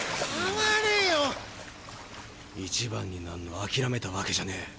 １番になんの諦めたわけじゃねぇ。